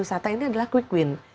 industri perusahaan ini adalah quick win